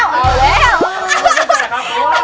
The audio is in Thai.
เพราะว่า